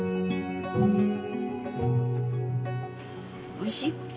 おいしい？